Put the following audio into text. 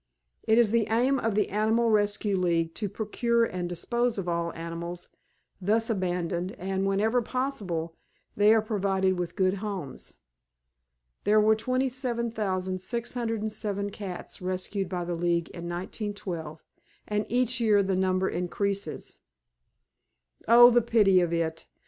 It is the aim of the Animal Rescue League to procure and dispose of all animals thus abandoned and, whenever possible, they are provided with good homes. There were 27,607 cats rescued by the League in 1912 and each year the number increases." Oh, the pity of it!